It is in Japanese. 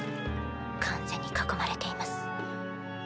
完全に囲まれています。